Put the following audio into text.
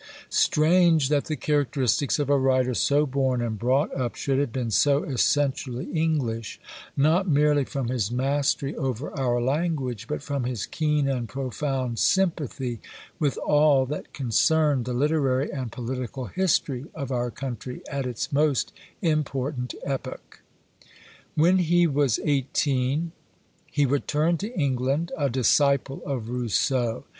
Strange that the characteristics of a writer so born and brought up should have been so essentially English; not merely from his mastery over our language, but from his keen and profound sympathy with all that concerned the literary and political history of our country at its most important epoch. When he was eighteen, he returned to England a disciple of Rousseau.